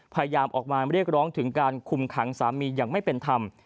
พยายามออกมาเรียกร้องถึงการคุมขังสามีอย่างไม่เป็นธรรม